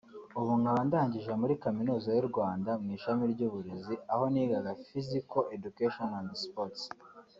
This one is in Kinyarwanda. ubu nkaba ndangije muri kaminuza y’u Rwanda mu ishami ry’uburezi aho nigaga Physical Education and Sports